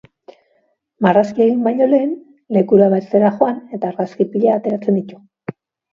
Marrazkia egin baino lehen, lekura bertara joan eta argazki pila ateratzen ditu.